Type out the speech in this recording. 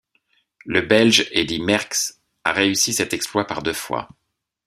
Le Belge Eddy Merckx a réussi cet exploit par deux fois.